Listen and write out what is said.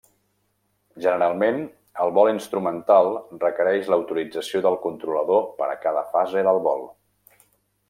Generalment, el vol instrumental requereix l'autorització del controlador per a cada fase del vol.